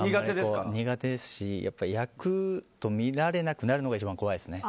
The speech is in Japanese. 苦手ですし役と見られなくなるのが一番怖いですね。